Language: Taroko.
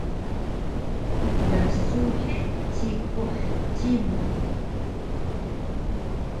Rsuhi cikuh cimu